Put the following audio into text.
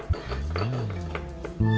esy jadi pulang